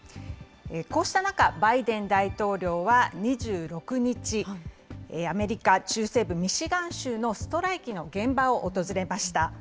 こうした中、バイデン大統領は２６日、アメリカ中西部ミシガン州のストライキの現場を訪れました。